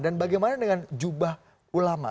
dan bagaimana dengan jubah ulama